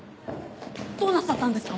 どうなさったんですか？